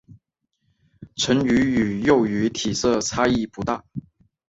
成鱼与幼鱼体色差异不大。